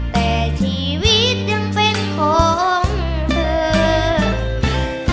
แต่ชีวิตยังเป็นของเธอ